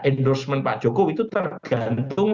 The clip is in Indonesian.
endorsement pak jokowi itu tergantung